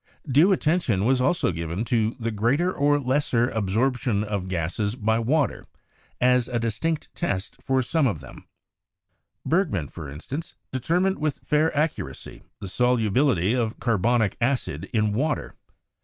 Due attention was also given to the greater or lesser absorption of gases by water, as a distinct test for some of them; Bergman, for instance, determined with fair accuracy the solubility of carbonic acid in water.